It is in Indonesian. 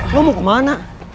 lo mau kemana